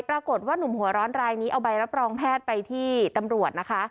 ปรากฏว่านุ่มหัวร้อนรายนี้เอาใบรับรองแพทย์ไปที่ตำรวจนะคะ